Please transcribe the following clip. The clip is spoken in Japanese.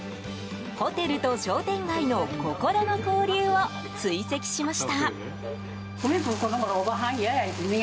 ホテルと商店街の心の交流を追跡しました。